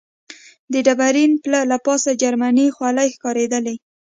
د ډبرین پله له پاسه جرمنۍ خولۍ ښکارېدلې.